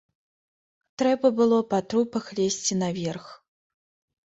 Трэба было па трупах лезці наверх.